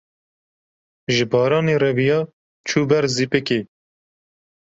ji baranê reviya, çû ber zîpikê